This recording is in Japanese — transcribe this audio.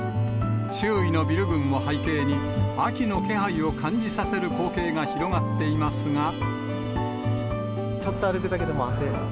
周囲のビル群を背景に、秋の気配を感じさせる光景が広がっていまちょっと歩くだけでも汗。